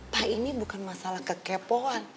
pa ini bukan masalah kekepoan